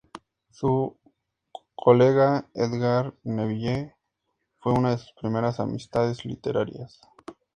Su colega Edgar Neville fue una de sus primeras amistades literarias.